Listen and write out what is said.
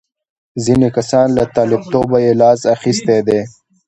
ځینې کسان له طالبتوبه یې لاس اخیستی دی.